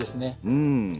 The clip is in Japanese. うん！